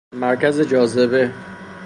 مرکز جاذبه